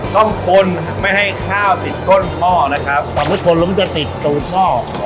ต้องปนไม่ให้ข้าวติดต้นข้อนะครับถ้าไม่ปนแล้วมันจะติดต้นข้อ